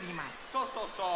そうそうそう。